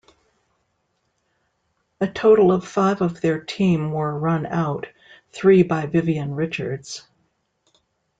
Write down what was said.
A total of five of their team were run out, three by Vivian Richards.